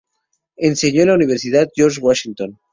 Enseñó en la Universidad George Washington.